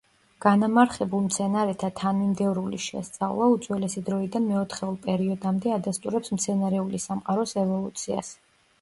განამარხებულ მცენარეთა თანამიმდევრული შესწავლა უძველესი დროიდან მეოთხეულ პერიოდამდე ადასტურებს მცენარეული სამყაროს ევოლუციას.